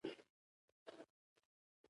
د کامیابۍ او ناکامۍ نمرې ولس ورکړي